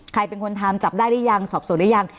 ใครเป็นคนทำจับได้รึยังสอบสูรรยัง